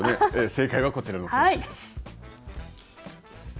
正解はこちらの選手です。